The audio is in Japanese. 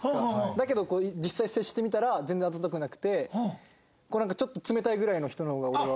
だけど実際接してみたら全然あざとくなくてちょっと冷たいぐらいの人の方が俺は。